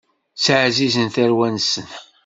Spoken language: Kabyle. Ssiɛzizen tarwan-nsen.